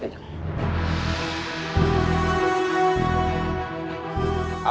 terima kasih pak